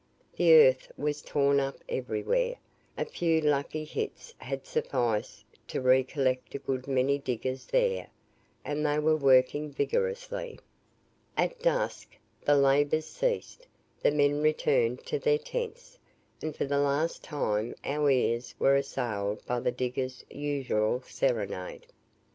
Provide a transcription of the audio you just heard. The earth was torn up everywhere a few lucky hits had sufficed to re collect a good many diggers there, and they were working vigorously. At dusk the labour ceased the men returned to their tents, and for the last time our ears were assailed by the diggers' usual serenade.